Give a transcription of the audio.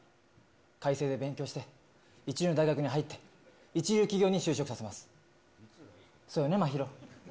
開成で勉強して一流の大学に入って、一流企業に就職させます。